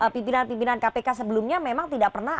pimpinan pimpinan kpk sebelumnya memang tidak pernah